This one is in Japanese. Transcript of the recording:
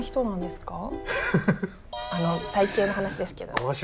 あの体型の話ですけど。